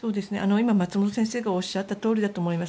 今、松本先生がおっしゃったとおりだと思います。